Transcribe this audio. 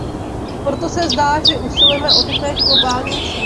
Proto se zdá, že usilujeme o tytéž globální cíle.